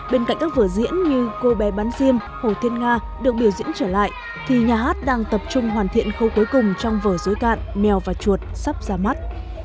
bên cạnh các vở diễn như cô bé bán xiêm hồ thiên nga được biểu diễn trở lại thì nhà hát đang tập trung hoàn thiện khâu cuối cùng trong vở dối cạn mèo và chuột sắp ra mắt